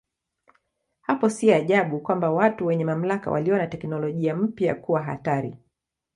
Hapo si ajabu kwamba watu wenye mamlaka waliona teknolojia mpya kuwa hatari.